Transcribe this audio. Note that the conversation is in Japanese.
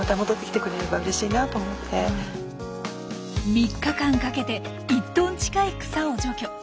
３日間かけて１トン近い草を除去。